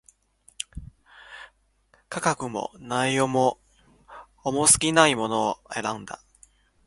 価格も、内容も、重過ぎないものを選んだ